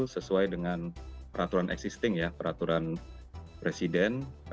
sesuai dengan peraturan existing ya peraturan presiden